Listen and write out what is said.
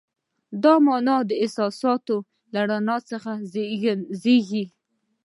دا مانا د احساساتو له رڼا زېږېږي.